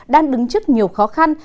đang đứng trước nhiều khó khăn